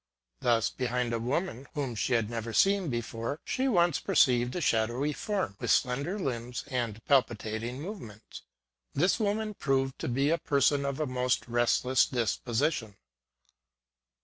Thus, behind a woman whom she had never seen before, she once perceived a shadowy form, with slender limbs and palpitating movements. This woman proved to be a person of a most restless dis position.